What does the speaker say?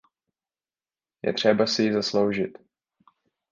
Je třeba si ji zasloužit.